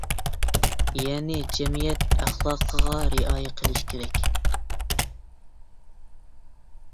يەنى جەمئىيەت ئەخلاقىغا رىئايە قىلىش كېرەك.